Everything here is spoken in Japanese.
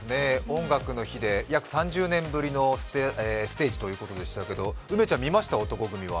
「音楽の日」で約３０年ぶりのステージということでしたが梅ちゃん見ました、男闘呼組は。